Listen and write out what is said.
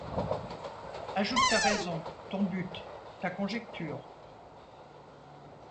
Ajoute ta raison, ton but ; ta conjecture